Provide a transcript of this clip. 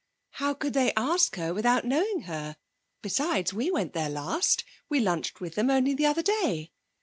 'How could they ask her without knowing her? Besides we went there last. We lunched with them only the other day.'